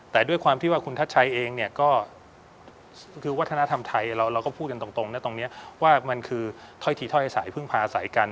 แต่ด้วยความที่ว่าคุณทัชชัยเองเนี่ยก็คือวัฒนธรรมไทยเราก็พูดกันตรงนะตรงนี้ว่ามันคือถ้อยทีถ้อยสายพึ่งพาใส่กัน